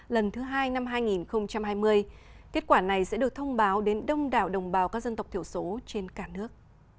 lần thứ hai năm hai nghìn hai mươi kết quả này sẽ được thông báo đến đông đảo đồng bào các dân tộc thiểu số trên cả nước